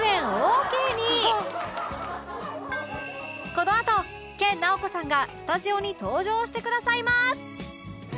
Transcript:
このあと研ナオコさんがスタジオに登場してくださいます